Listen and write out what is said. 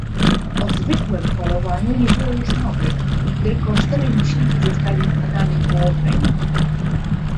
"O zwykłem polowaniu nie było już mowy, tylko czterej myśliwi zostali panami położenia."